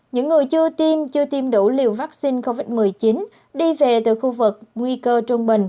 những người chưa tiêm chưa tiêm đủ liều vaccine covid một mươi chín đi về từ khu vực nguy cơ trung bình